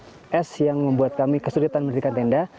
ini es yang membuat kami kesulitan mendirikan tenda